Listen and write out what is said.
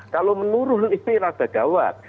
kalau menurun ini rada gawat